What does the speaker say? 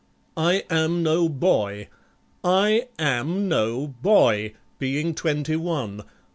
I am no boy! I am No BOY! I being twenty one.